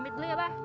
amin dulu ya pak